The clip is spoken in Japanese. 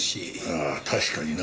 ああ確かにな。